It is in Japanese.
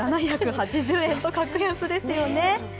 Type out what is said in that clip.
７８０円と格安ですよね。